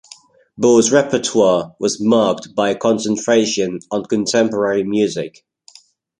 Bour's repertoire was marked by a concentration on contemporary music.